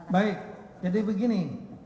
baik jadi begini